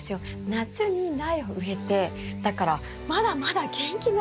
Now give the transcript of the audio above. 夏に苗を植えてだからまだまだ元気なんです。